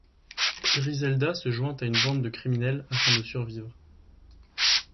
Griselda se joint à une bande de criminels afin de survivre.